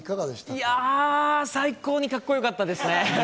いや、最高にカッコよかったですね！